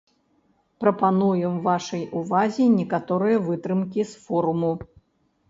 Прапануем вашай увазе некаторыя вытрымкі з форуму.